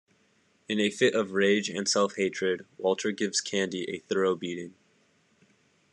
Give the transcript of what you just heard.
In a fit of rage and self-hatred, Walter gives Candy a thorough beating.